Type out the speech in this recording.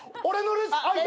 俺の。